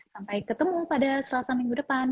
sampai ketemu pada selasa minggu depan